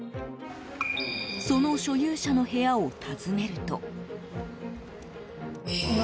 その所有者の部屋を訪ねると。